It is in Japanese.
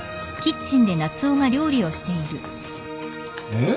えっ？